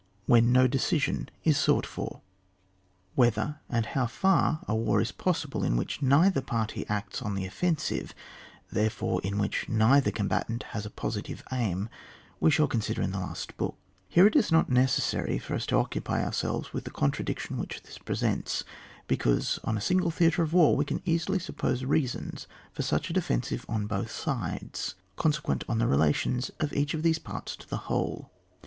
WHEN NO DECISION IB SOUGHT FOB. Whethee and how far a war is possible in which neither party acts on the offen sive, therefore in which neither combat ant has a positive aim, we shall consider in the last book ; here it is not necessary for lis to occupy ourselves with the con tradiction which this presents, because on a single theatre of war we can easily suppose reasons for such a defensive on both sides, consequent on the relations of each of these parts to a whole.